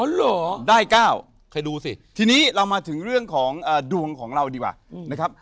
เหรอได้๙ใครดูสิทีนี้เรามาถึงเรื่องของดวงของเราดีกว่านะครับ